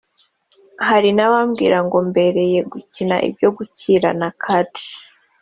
Hari n’abambwiraga ngo mbereye gukina ibyo gukirana (catch)